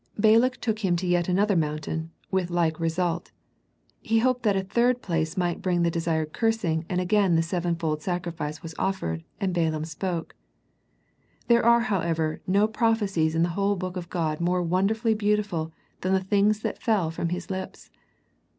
Balak took him to yet another mountain, with a Hke result. He hoped that a third place might bring the de sired cursing and again the sevenfold sacrifice was offered, and Balaam spoke. There are however, no prophecies in the whole book of God more wonderfully beautiful than the things that then fell from his lips.